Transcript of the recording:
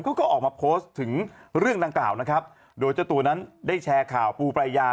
เขาก็ออกมาโพสต์ถึงเรื่องดังกล่าวนะครับโดยเจ้าตัวนั้นได้แชร์ข่าวปูปรายา